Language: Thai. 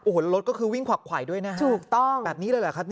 โอ้โหรถก็คือวิ่งขวักไขวด้วยนะฮะถูกต้องแบบนี้เลยเหรอครับ